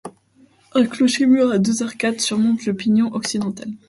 Un clocher-mur à deux arcades surmonte le pignon occidental.